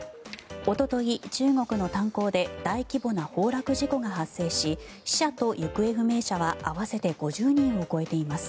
おととい、中国の炭鉱で大規模な崩落事故が発生し死者と行方不明者は合わせて５０人を超えています。